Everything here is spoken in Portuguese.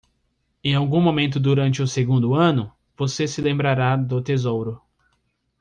Em algum momento durante o segundo ano?, você se lembrará do tesouro.